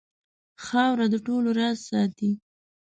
خاوره د ټولو راز ساتي.